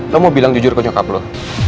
lo mau bilang jujur aku nyokap lo